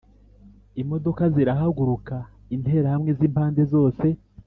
Imodoka zirahaguruka, interahamwe zimpande zose